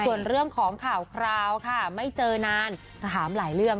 ส่วนเรื่องของข่าวคราวค่ะไม่เจอนานจะถามหลายเรื่อง